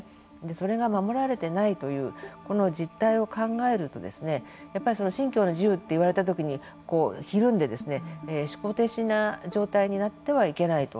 それが守られてないというこの実態を考えるとやっぱり信教の自由って言われたときにひるんで思考停止の状態になってはいけないと。